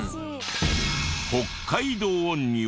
北海道には。